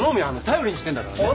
頼りにしてんだからね。